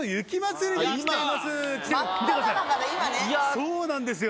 そうなんですよ。